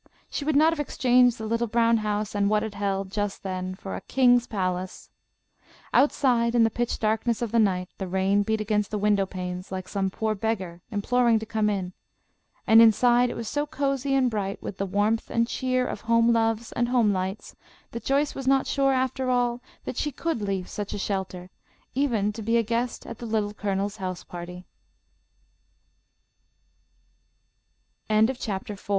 She would not have exchanged the little brown house and what it held, just then, for a king's palace. Outside in the pitch darkness of the night the rain beat against the window panes like some poor beggar imploring to come in; and inside it was so cosy and bright with the warmth and cheer of home loves and home lights that Joyce was not sure, after all, that she could leave such a shelter even to be a guest at the L